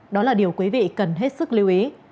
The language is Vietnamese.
đó là điều quý vị cần hết sức lưu ý